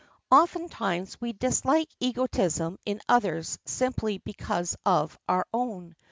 Ofttimes we dislike egotism in others simply because of our own.